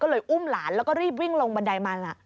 ก็เลยอุ้มหลานแล้วก็รีบวิ่งลงบันไดมัน